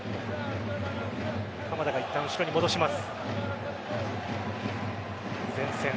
鎌田がいったん後ろに戻します。